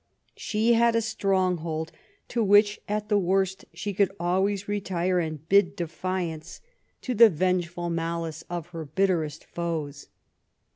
She had a stronghold to which, at the worst, she could always retire and bid defiance to the vengeful 99 THE REION OF QUEEN ANNE malice of her bitterest foes.